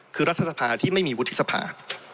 คือรัฐสภาที่ไม่มีวุฒิสภา